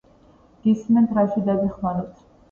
გისმენთ რაში დაგეხმაროთ